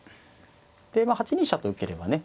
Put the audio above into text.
でまあ８二飛車と受ければね